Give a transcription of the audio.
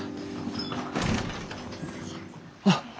あっ。